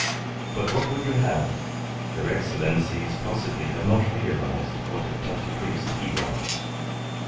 But what would you have? Their Excellencies possibly had not realized what a tough priest he was.